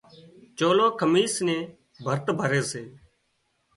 چولو، کميس نين ڀرت ڀري سي